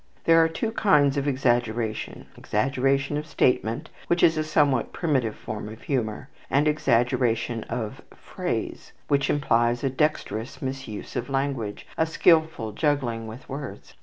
There are two kinds of exaggeration; exaggeration of statement, which is a somewhat primitive form of humour, and exaggeration of phrase, which implies a dexterous misuse of language, a skilful juggling with words.